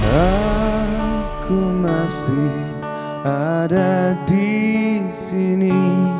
aku masih ada disini